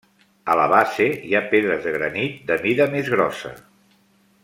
A la base hi ha pedres de granit de mida més grossa.